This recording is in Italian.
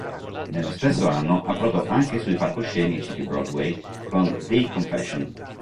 Nello stesso anno approdò anche sui palcoscenici di Broadway con "The Confession".